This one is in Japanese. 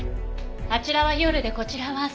あちらは夜でこちらは朝。